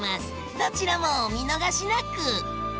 どちらもお見逃しなく！